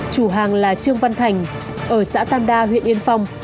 chủ hàng là trương văn thành ở xã tam đa huyện yên phong